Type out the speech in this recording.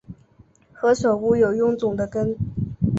何首乌有臃肿的根